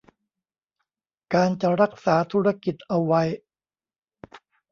การจะรักษาธุรกิจเอาไว้